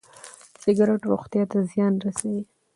سګرټ روغتيا ته زيان رسوي.